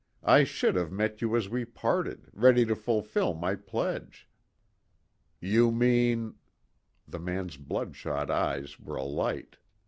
I should have met you as we parted, ready to fulfil my pledge." "You mean " The man's bloodshot eyes were alight.